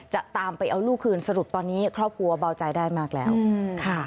จะตามไปเอาลูกคืนสรุปตอนนี้ครอบครัวเบาใจได้มากแล้วค่ะ